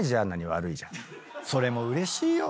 それもうれしいよ